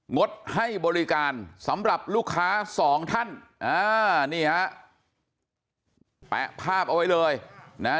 งดให้บริการสำหรับลูกค้าสองท่านอ่านี่ฮะแปะภาพเอาไว้เลยนะฮะ